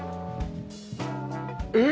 え！